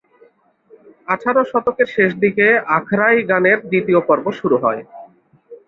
আঠারো শতকের শেষ দিকে আখড়াই গানের দ্বিতীয় পর্ব শুরু হয়।